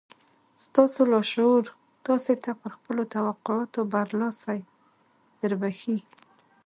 ستاسې لاشعور تاسې ته پر خپلو توقعاتو برلاسي دربښي